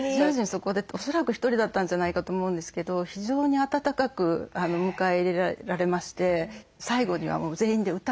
そこで恐らく１人だったんじゃないかと思うんですけど非常に温かく迎え入れられまして最後には全員で歌を合唱するというね。